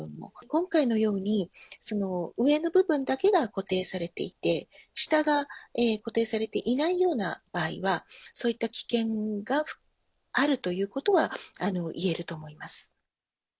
今回のように、上の部分だけが固定されていて、下が固定されていないような場合は、そういった危険があるということは言えると思います。